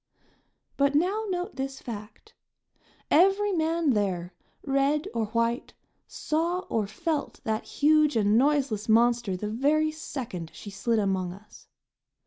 But now note this fact every man there, red or white, saw or felt that huge and noiseless monster the very second she slid among us.